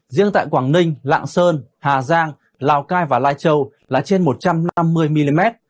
riêng tại quảng ninh lạng sơn hà giang lào cai và lai châu là trên một trăm năm mươi mm